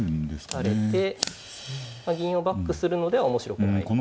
打たれて銀をバックするのでは面白くない。